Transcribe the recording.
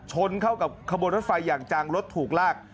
ชนเข้ากับขบวนรถไฟอย่างจังรถถูกลาก